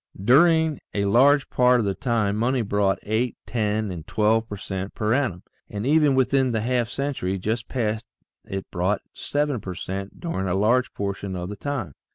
During a large part of the time money brought eight, ten, and twelve per cent per annum, and even within the half century just past it brought seven per cent during a large portion of the time.